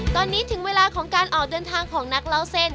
ตอนนี้ถึงเวลาของการออกเดินทางของนักเล่าเส้น